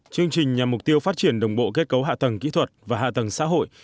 chương trình nhằm mục tiêu phát triển đồng bộ kết cấu hạ tầng kỹ thuật và hạ tầng xã hội